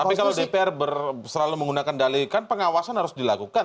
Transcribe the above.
tapi kalau dpr selalu menggunakan dali kan pengawasan harus dilakukan